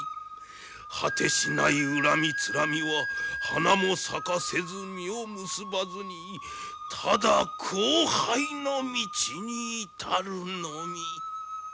果てしない恨みつらみは花も咲かせず実を結ばずにただ荒廃の道に至るのみ。